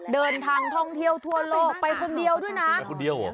เดินทางทองเทียวทั่วโลกไปคนเดียวด้วยนะ